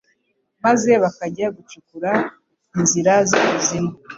maze bakajya bacukura inzira z'ikuzimu